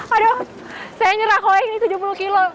aduh saya nyerah kalau ini tujuh puluh kilo